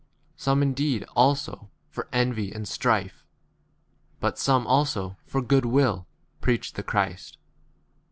Some indeed also for envy and strife, but some also for good will, preach the 16 Christ.